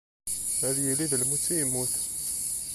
Ad yili d lmut i yemmut.